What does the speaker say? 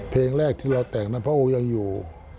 เพลงแรกที่เราแต่งนั้นพระองค์ยังอยู่